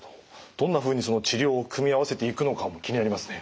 どんなふうに治療を組み合わせていくのかも気になりますね。